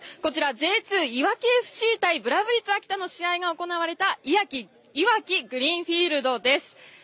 Ｊ２いわきＦＣとブラウブリッツ秋田の試合が行われたいわきグリーンフィールドです。